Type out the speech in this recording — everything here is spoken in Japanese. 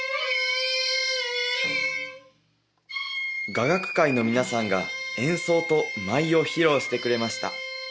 雅楽会の皆さんが演奏と舞を披露してくれました